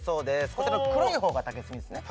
こちら黒い方が竹炭ですね